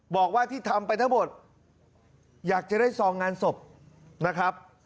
บอกว่าที่ทำไปทั้งหมดอยากจะได้ซองงานศพนะครับ